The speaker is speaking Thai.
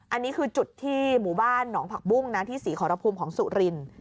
อันนี้คือจุดที่หมู่บ้านหนองผักบุ้งนะที่ศรีขอรภูมิของสุรินทร์